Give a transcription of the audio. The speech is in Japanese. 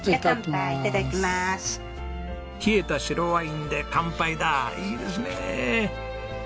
冷えた白ワインで乾杯だいいですね。